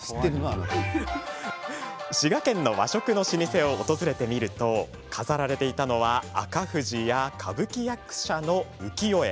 滋賀県の和食の老舗を訪れてみると飾られていたのは赤富士や歌舞伎役者の浮世絵。